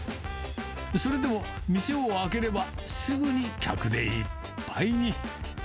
それでも、店を開ければ、すぐに客でいっぱいに。